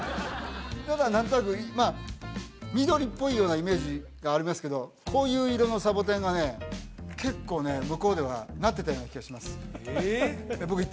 ただ何となく緑っぽいようなイメージがありますけどこういう色のサボテンがね結構ね向こうではなってたような気がしますえっ？